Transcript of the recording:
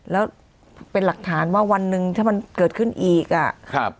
แล้วเป็นหลักฐานว่าวันหนึ่งถ้ามันเกิดขึ้นอีกอ่ะครับ